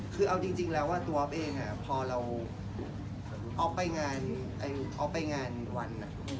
คือเอาจริงแล้วว่าตัวออฟเองพอเราออฟไปงานวัน